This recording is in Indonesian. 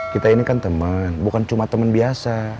kita ini kan temen bukan cuma temen biasa